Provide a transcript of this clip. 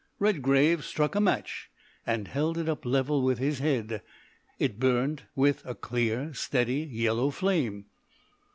Redgrave struck a match, and held it up level with his head; it burnt with a clear, steady, yellow flame.